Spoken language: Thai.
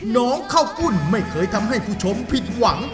น้องข้าวกุ้นไม่เคยทำให้ผู้ชมผิดหวัง